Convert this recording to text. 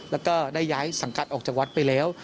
แล้วก็ได้ย้ายสังกัดออกจากวัดไปแล้ว